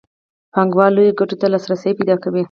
پانګوال لویو ګټو ته لاسرسی پیدا کوي